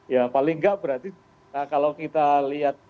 ya paling nggak berarti kalau kita lihat